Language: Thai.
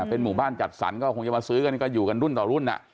เป็นหมู่บ้านจัดสรรก็คงจะมาซื้อกันก็อยู่กันรุ่นต่อรุ่น